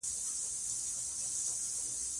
دې لوی ویاړ ته درناوی وکړه.